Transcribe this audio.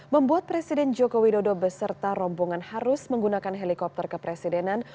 membuat presiden joko widodo beserta rombongan harus menggunakan helikopter kepresidenan